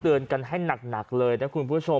ตื่นกันให้หนักเลยครับคุณผู้ชม